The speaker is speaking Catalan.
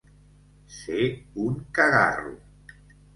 Ser un cagarro.